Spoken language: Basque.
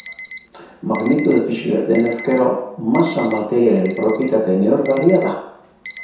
Magnitude fisikoa denez gero, masa materiaren propietate neurgarria da.